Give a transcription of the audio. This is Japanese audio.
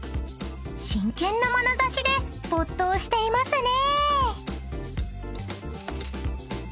［真剣なまなざしで没頭していますね］